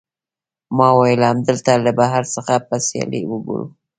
ما وویل، همدلته له بهر څخه به سیالۍ وګورو.